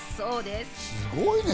すごいね。